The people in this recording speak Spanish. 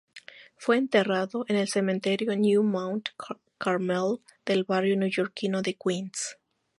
Fue enterrado en el Cementerio New Mount Carmel del barrio neoyorquino de Queens.